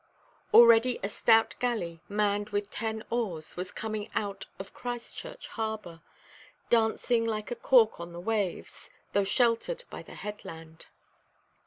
Already a stout galley, manned with ten oars, was coming out of Christchurch Harbour, dancing like a cork on the waves, though sheltered by the headland.